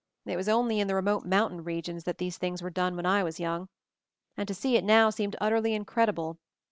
It was only in the remote mountain regions that these things were done when I was young, and to see it now seemed utterly incredible.